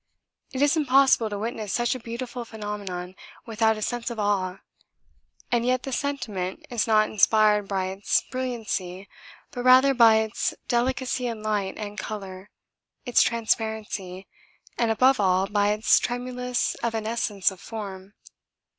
It is impossible to witness such a beautiful phenomenon without a sense of awe, and yet this sentiment is not inspired by its brilliancy but rather by its delicacy in light and colour, its transparency, and above all by its tremulous evanescence of form.